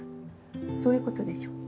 そういう事でしょ。